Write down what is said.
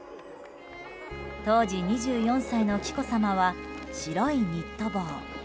当時２４歳の紀子さまは白いニット帽。